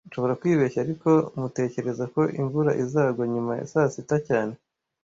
Nshobora kwibeshya, ariko tmutekereza ko imvura izagwa nyuma ya saa sita cyane